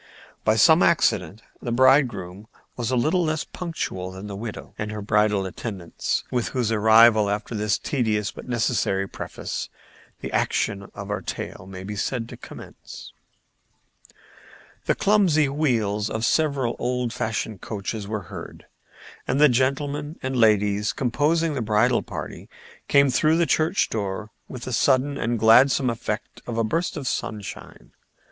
By some accident the bridegroom was a little less punctual than the widow and her bridal attendants, with whose arrival, after this tedious but necessary preface, the action of our tale may be said to commence. The clumsy wheels of several old fashioned coaches were heard, and the gentlemen and ladies composing the bridal party came through the church door with the sudden and gladsome effect of a burst of sunshine.